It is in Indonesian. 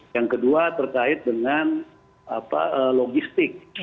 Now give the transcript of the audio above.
yang kedua terkait dengan logistik